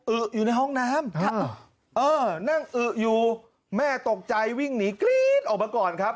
อยู่ในห้องน้ำนั่งอึอยู่แม่ตกใจวิ่งหนีกรี๊ดออกมาก่อนครับ